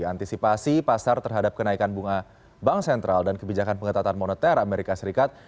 antisipasi pasar terhadap kenaikan bunga bank sentral dan kebijakan pengetatan moneter amerika serikat